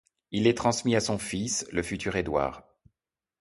Il les transmit à son fils, le futur Édouard.